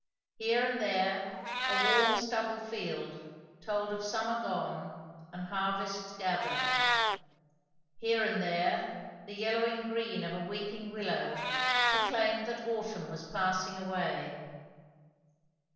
Here and there a warm stubble field told of summer gone and harvests gathered; her and there the yellowing green of a weeping willow proclaimed that autumn was passing away.